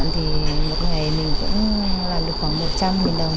thì một ngày mình cũng làm được khoảng một trăm linh đồng để đẩn cho gia đình